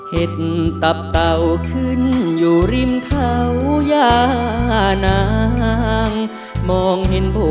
เห็นตับเตาขึ้นอยู่ริมเท้ายานาง